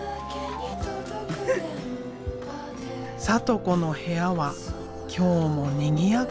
サト子の部屋は今日もにぎやか。